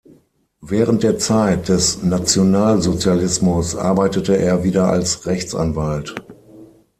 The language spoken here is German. Während der Zeit des Nationalsozialismus arbeitete er wieder als Rechtsanwalt.